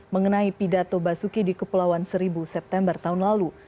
mengenai pidato basuki di kepulauan seribu september tahun lalu